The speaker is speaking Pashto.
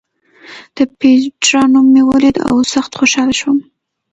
د پېټرا نوم مې ولید او سخت خوشاله شوم.